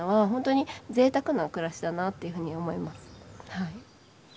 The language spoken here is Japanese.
はい。